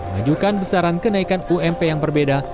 menunjukkan besaran kenaikan ump yang berbeda